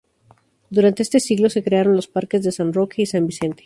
Durante este siglo se crearon los parques de San Roque y San Vicente.